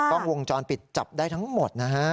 กล้องวงจรปิดจับได้ทั้งหมดนะฮะ